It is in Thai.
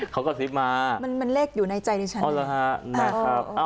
เขากระซิบมามันเลขอยู่ในใจดิฉันนะครับ